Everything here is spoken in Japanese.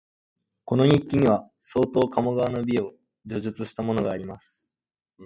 この日記には、相当鴨川の美を叙述したものがあります